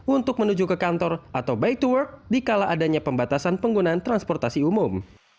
untuk menuju ke kantor atau bayi tuar di kala adanya pembatasan penggunaan transportasi umum